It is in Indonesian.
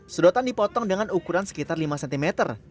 sedotan dipotong dengan ukuran sekitar lima cm